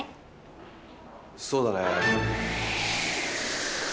そうだね。